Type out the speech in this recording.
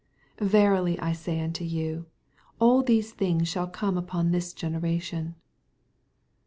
86 Verily I say unto you. All these things shaU come upon this generation.